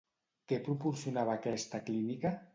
Què proporcionava aquesta clínica?